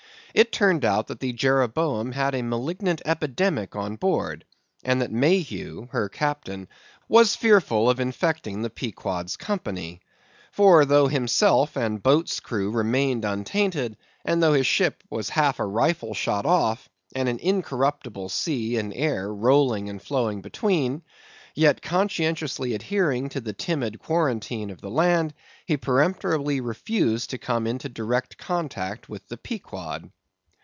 It turned out that the Jeroboam had a malignant epidemic on board, and that Mayhew, her captain, was fearful of infecting the Pequod's company. For, though himself and boat's crew remained untainted, and though his ship was half a rifle shot off, and an incorruptible sea and air rolling and flowing between; yet conscientiously adhering to the timid quarantine of the land, he peremptorily refused to come into direct contact with the Pequod.